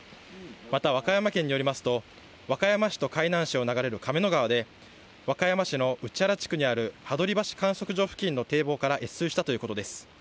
また和歌山県によりますと、和歌山市と海南市を流れる亀の川で、和歌山市の内原地区にある羽鳥橋観測所付近の堤防から越水したということです。